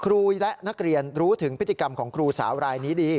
และนักเรียนรู้ถึงพฤติกรรมของครูสาวรายนี้ดี